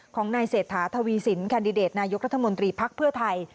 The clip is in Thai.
ของนายเศรษฐาทวีสินแคนดิเดตนายกรัฐมนตรีภักดิ์เพื่อไทย